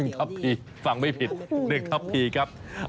ทัพพีฟังไม่ผิด๑ทัพพีครับ